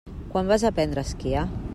Quan vas aprendre a esquiar?